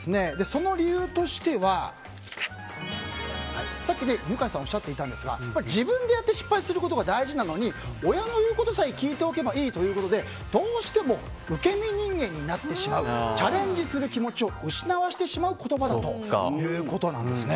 その理由としてはさっき、犬飼さんがおっしゃっていたんですが自分でやって失敗することが大事なのに親の言うことさえ聞いておけばいいということでどうしても受け身人間になってしまうチャレンジする気持ちを失わせてしまう言葉だということです。